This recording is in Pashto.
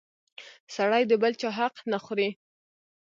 سړی د بل چا حق نه خوري!